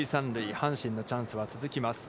阪神のチャンスは続きます。